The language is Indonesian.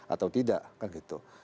atau tidak kan gitu